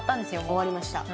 終わりました。